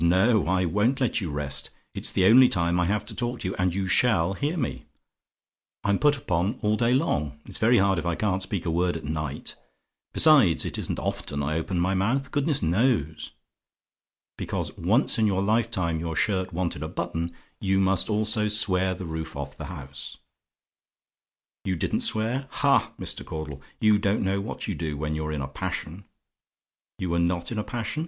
"No: I won't let you rest. It's the only time I have to talk to you, and you SHALL hear me. I'm put upon all day long: it's very hard if I can't speak a word at night: besides, it isn't often I open my mouth, goodness knows. "Because ONCE in your lifetime your shirt wanted a button you must almost swear the roof off the house! "YOU DIDN'T SWEAR? "Ha, Mr. Caudle! you don't know what you do when you're in a passion. "YOU WERE NOT IN A PASSION?